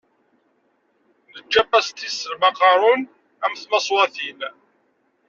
Nečča pastis s lmaqarun am tmaṣwatin.